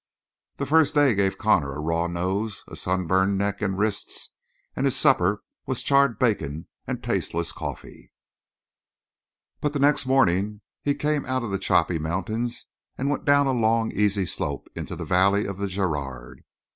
The first day gave Connor a raw nose, a sunburned neck and wrists, and his supper was charred bacon and tasteless coffee; but the next morning he came out of the choppy mountains and went down a long, easy slope into the valley of the Girard.